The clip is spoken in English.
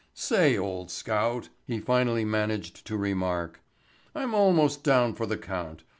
"Say, old scout," he finally managed to remark. "I'm almost down for the count.